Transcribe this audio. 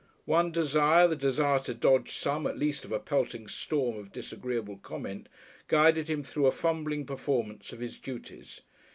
One desire, the desire to dodge some at least of a pelting storm of disagreeable comment, guided him through a fumbling performance of his duties.